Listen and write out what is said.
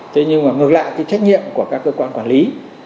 thế nhưng mà ngược lại cái trách nhiệm của các cơ quan quản lý